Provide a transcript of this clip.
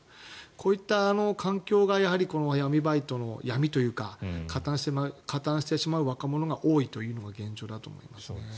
こういった環境が闇バイトの闇というか加担してしまう若者が多いというのが現状だと思います。